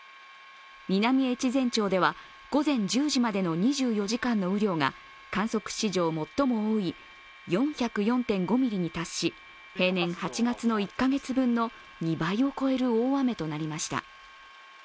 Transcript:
南越前町では午前１０時までの２４時間の雨量が４０４．５ミリに達し、平年８月の１カ月分の２倍を超える大雨となりました。